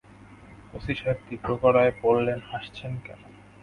OC সাহেব তীব্রগলায় বললেন, হাসছেন কেন?